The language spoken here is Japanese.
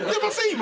今！